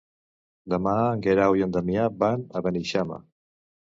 Demà en Guerau i en Damià van a Beneixama.